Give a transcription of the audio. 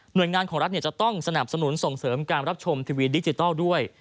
โดยงานของรัฐจะต้องสนับสนุนส่งเสริมการรับชมทีวีดิจิทัลด้วย